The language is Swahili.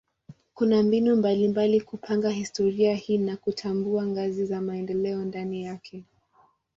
Kuna mbinu mbalimbali kupanga historia hii na kutambua ngazi za maendeleo ndani yake.